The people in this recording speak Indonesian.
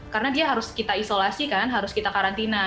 karena dia harus kita isolasi kan harus kita karantina